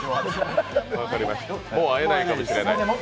もう会えないかもしれない。